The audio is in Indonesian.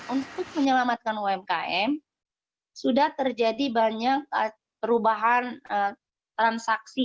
untuk menyelamatkan umkm sudah terjadi banyak perubahan transaksi